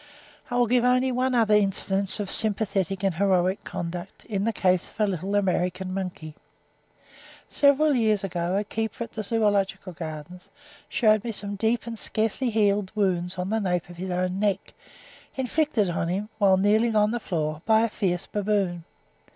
I will give only one other instance of sympathetic and heroic conduct, in the case of a little American monkey. Several years ago a keeper at the Zoological Gardens shewed me some deep and scarcely healed wounds on the nape of his own neck, inflicted on him, whilst kneeling on the floor, by a fierce baboon.